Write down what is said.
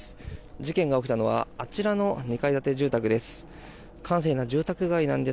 事件が起きたのはあちらの２階建て住宅です。